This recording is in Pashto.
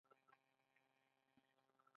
د زکام د ویروس لپاره د هوږې چای وڅښئ